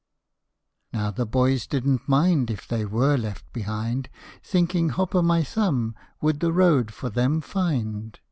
Now the boys didn't mind If they were left behind, Thinking Hop o' my Thumb would the road for them find.